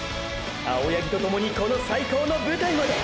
青八木と共にこの最高の舞台まで！！